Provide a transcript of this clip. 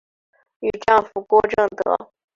与丈夫郭政德。